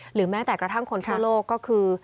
หรือแม้แต่กระทั่งคนทั่วโลกก็คือ